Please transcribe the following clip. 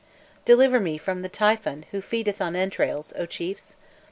Deliver me from the Typhon who feedeth on entrails, O chiefs!